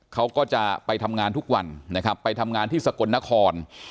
เขาก็จะไปทำงานทุกวันนะครับไปทำงานที่สกลนคร